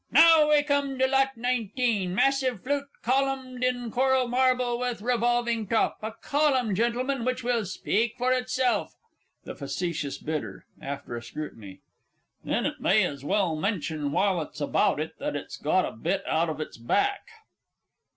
Now we come to Lot 19. Massive fluted column in coral marble with revolving top a column, Gentlemen, which will speak for itself. THE FACETIOUS BIDDER (after a scrutiny). Then it may as well mention, while it's about it, that it's got a bit out of its back!